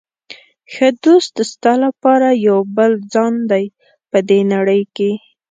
ښه دوست ستا لپاره یو بل ځان دی په دې نړۍ کې.